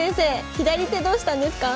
左手どうしたんですか？